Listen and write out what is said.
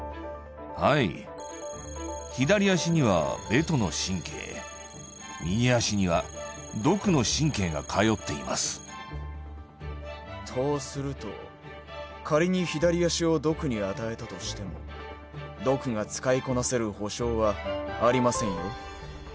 はい左脚にはベトの神経右脚にはドクの神経が通っていますとすると仮に左脚をドクに与えたとしてもドクが使いこなせる保証はありませんよ